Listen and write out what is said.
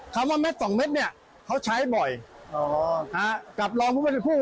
คำว่าเม็ดสองเม็ดเนี่ยเขาใช้บ่อยกับรองผู้บริโภค